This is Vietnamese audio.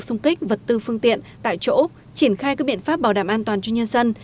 xung kích vật tư phương tiện tại chỗ triển khai các biện pháp bảo đảm an toàn cho nhân dân